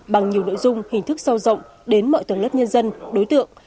bằng nhiều nội dung hình thức sâu rộng đến mọi tầng lớp nhân dân đối tượng